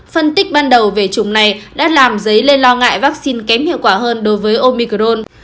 phân tích ban đầu về chủng này đã làm dấy lên lo ngại vaccine kém hiệu quả hơn đối với omicron